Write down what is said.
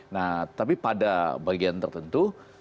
nah tapi pada bagian tertentu kita juga melihat